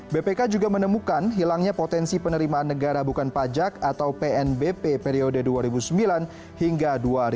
bpk juga menemukan hilangnya potensi penerimaan negara bukan pajak atau pnbp periode dua ribu sembilan hingga dua ribu dua puluh